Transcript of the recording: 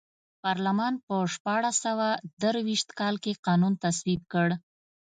پارلمان په شپاړس سوه درویشت کال کې قانون تصویب کړ.